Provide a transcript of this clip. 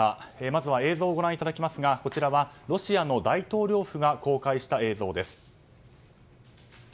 まずは映像をご覧いただきますがこちらはロシアの大統領府が公開した映像です。